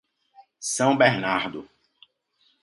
São Bernardo